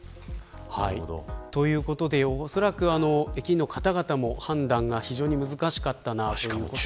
ということでおそらく駅の方々も判断が非常に難しかったと思います。